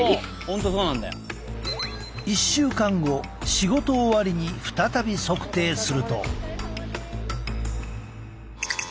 仕事終わりに再び測定すると。